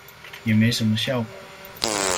也沒什麼效果